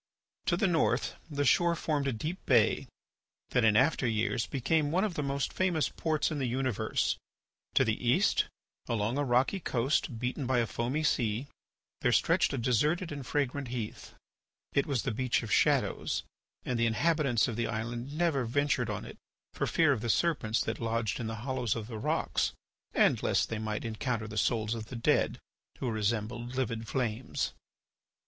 To the north the shore formed a deep bay that in after years became one of the most famous ports in the universe. To the east, along a rocky coast beaten by a foaming sea, there stretched a deserted and fragrant heath. It was the Beach of Shadows, and the inhabitants of the island never ventured on it for fear of the serpents that lodged in the hollows of the rocks and lest they might encounter the souls of the dead who resembled livid flames.